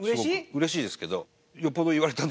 うれしいですけど。